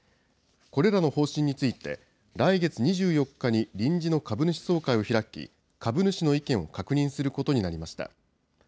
これらの方針について、来月２４日に臨時の株主総会を開き、株主の意見を確認することになりました。